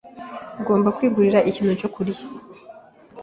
Ugomba kwigurira ikintu cyo kurya.